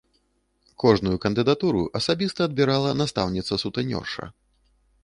Кожную кандыдатуру асабіста адбірала настаўніца-сутэнёрша.